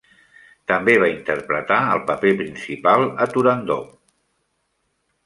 També va interpretar el paper principal a "Turandot".